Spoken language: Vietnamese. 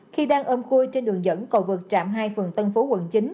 khi đang ôm khui trên đường dẫn cầu vực trạm hai phường tân phú quận chín